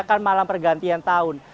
akan malam pergantian tahun